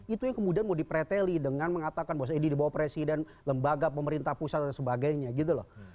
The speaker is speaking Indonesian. itu yang kemudian mau dipreteli dengan mengatakan bahwa ini dibawa presiden lembaga pemerintah pusat dan sebagainya gitu loh